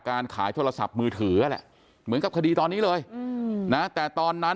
การขายโทรศัพท์มือถือแหละเหมือนกับคดีตอนนี้เลยนะแต่ตอนนั้น